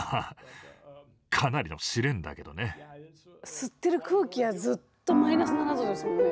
吸ってる空気はずっとマイナス７℃ですもんね。